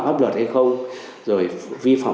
hấp luật hay không rồi vi phạm